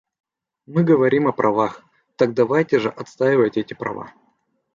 Мы говорим о правах, так давайте же отстаивать эти права.